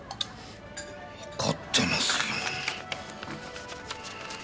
わかってますよ。